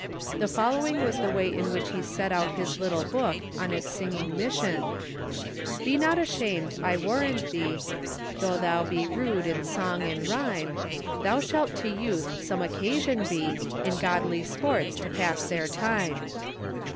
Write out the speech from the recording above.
The following was the way in which he sent out his little book on its singing mission :"' Be not ashamed I warandc the Though thou be rude in songe and ryme, Thou shall to youth some occasion be In Godly sportes to passe theyr tyme."